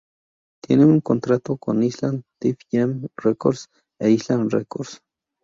Tiene un contrato con Island Def Jam Records e Island Records.